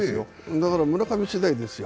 だから村上しだいですよ。